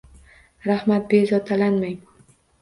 Rahmat, bezovtalanmang.